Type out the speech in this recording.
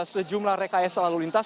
sejumlah rekaya selalu lintas